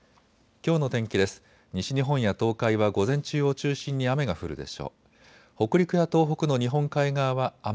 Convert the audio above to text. きょうの天気です。